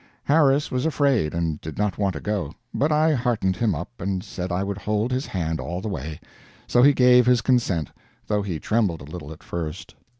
Harris was afraid and did not want to go, but I heartened him up and said I would hold his hand all the way; so he gave his consent, though he trembled a little at first.